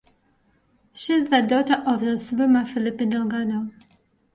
She is the daughter of swimmer Felipe Delgado.